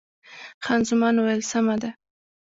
خان زمان وویل، سمه ده.